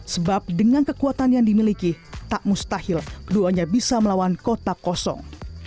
sebab dengan kekuatan yang dimiliki tak mustahil keduanya bisa melawan kota kosong